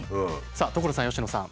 さあ所さん佳乃さん。